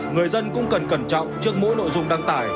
người dân cũng cần cẩn trọng trước mỗi nội dung đăng tải